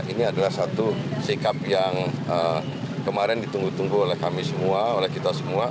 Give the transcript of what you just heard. ini adalah satu sikap yang kemarin ditunggu tunggu oleh kami semua oleh kita semua